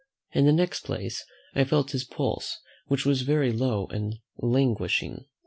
In the next place, I felt his pulse, which was very low and languishing.